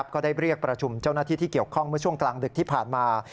ก็ได้เรียกประชุมเจ้าหน้าที่ที่เกี่ยวข้องเมื่อช่วงกลางดึกที่ผ่านมา